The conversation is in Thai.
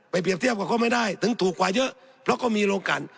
เปรียบเทียบกับเขาไม่ได้ถึงถูกกว่าเยอะเพราะเขามีโรงกัน